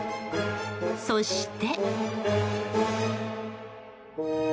そして。